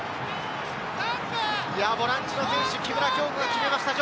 ボランチの選手、木村匡吾が決めました！